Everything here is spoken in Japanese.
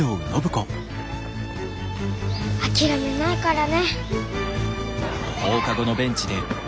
諦めないからね。